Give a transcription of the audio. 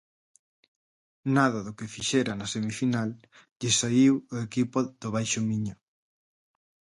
Nada do que fixera na semifinal lle saíu ao equipo do Baixo Miño.